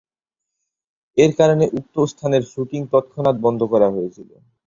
এর কারণে, উক্ত স্থানের শুটিং তৎক্ষণাৎ বন্ধ করা হয়েছিল।